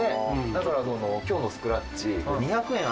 「だから今日のスクラッチ２００円